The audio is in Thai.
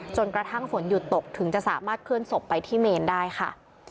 จนกระทั่งฝนหยุดตกถึงจะสามารถเคลื่อนศพไปที่เมนได้ค่ะ